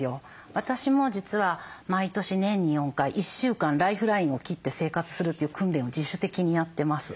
私も実は毎年年に４回１週間ライフラインを切って生活するという訓練を自主的にやってます。